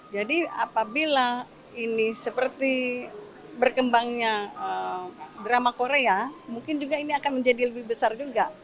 jadi apabila ini seperti berkembangnya drama korea mungkin juga ini akan menjadi lebih besar juga